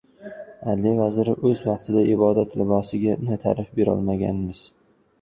Adliya vaziri: "O‘z vaqtida "ibodat libosi"ga ta’rif berolmaganmiz..."